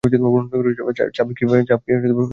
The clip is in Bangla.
চাবকিয়ে তাকে শয্যাগত করেছিলেন।